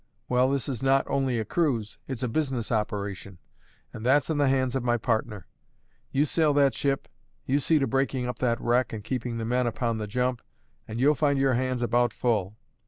Well, this is not only a cruise; it's a business operation; and that's in the hands of my partner. You sail that ship, you see to breaking up that wreck and keeping the men upon the jump, and you'll find your hands about full.